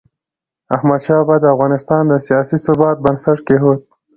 احمدشاه بابا د افغانستان د سیاسي ثبات بنسټ کېښود.